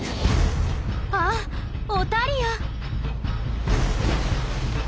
あっオタリア！